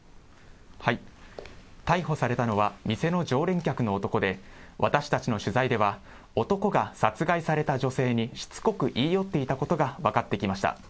逮捕されたのは、店の常連客の男で、私たちの取材では、男が殺害された女性にしつこく言い寄っていたことが分かってきました。